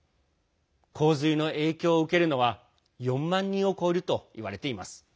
洪水の影響を受けるのは４万人を超えるといわれています。